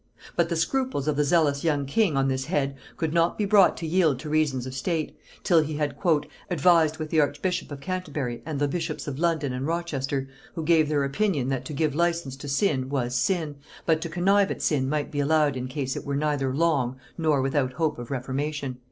But the scruples of the zealous young king on this head could not be brought to yield to reasons of state, till he had "advised with the archbishop of Canterbury and the bishops of London and Rochester, who gave their opinion that to give license to sin was sin, but to connive at sin might be allowed in case it were neither long, nor without hope of reformation."